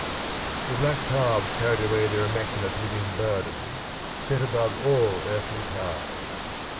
The black calves carried away their immaculate living burden, set above all earthly ties.